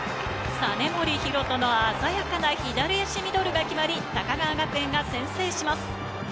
実森大翔の鮮やかな左足ミドルが決まり、高川学園が先制します。